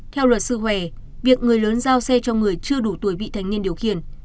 theo luật sư huệ việc người lớn giao xe cho người chưa đủ tuổi bị thanh niên điều khiển